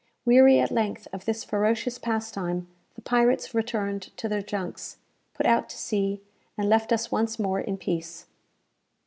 Weary at length of this ferocious pastime, the pirates returned to their junks, put out to sea, and left us once more in peace.